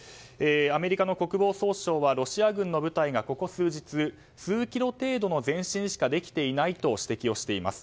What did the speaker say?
アメリカ国防総省はロシア軍の部隊がここ数日数キロ程度の前進しかできていないと指摘しています。